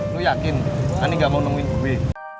lo yakin ani gak mau nemuin gue